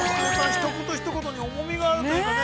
一言一言に重みがあるというかね。